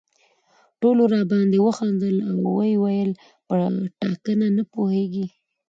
ټولو راباندې وخندل او ویې ویل په ټاکنه نه پوهېږي.